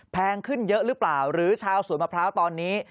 แพงขึ้นเยอะหรือเปล่าหรือชาวสวนมะพร้าวตอนนี้